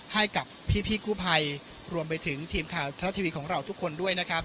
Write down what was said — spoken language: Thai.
ให้กับพี่กู้ภัยรวมไปถึงทีมข่าวทะละทีวีของเราทุกคนด้วยนะครับ